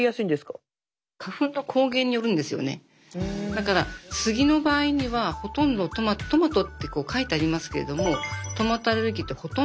だからスギの場合にはほとんどトマトってこう書いてありますけれどもトマトアレルギーってほとんどいないんですよね。